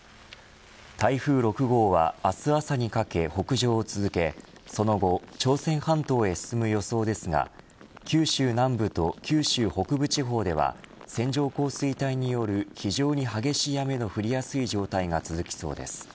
台風６号は、明日朝にかけ北上を続けその後朝鮮半島へ進む予想ですが九州南部と九州北部地方では線状降水帯による非常に激しい雨の降りやすい状態が続きそうです。